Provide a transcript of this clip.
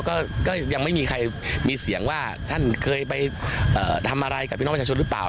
ก็ยังไม่มีใครมีเสียงว่าท่านเคยไปทำอะไรกับพี่น้องประชาชนหรือเปล่า